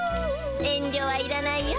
遠りょはいらないよ。